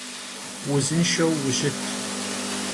Vuzınşşeu vuşıt!